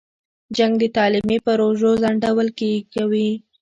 جنګ د تعلیمي پروژو ځنډول کوي.